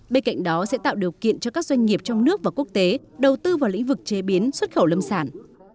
bên cạnh đó sẽ tạo điều kiện cho các doanh nghiệp trong nước và quốc tế đầu tư vào lĩnh vực chế biến xuất khẩu lâm sản